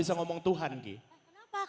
udah ngomong bener